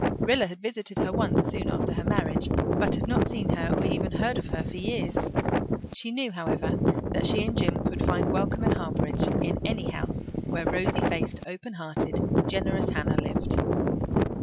Rilla had visited her once soon after her marriage, but had not seen her or even heard of her for years; she knew, however, that she and Jims would find welcome and harbourage in any house where rosy faced, open hearted, generous Hannah lived.